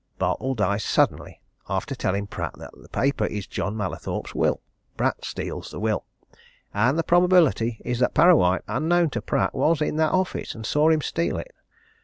Bartle dies suddenly after telling Pratt that the paper is John Mallathorpe's will. Pratt steals the will. And the probability is that Parrawhite, unknown to Pratt, was in that office, and saw him steal it.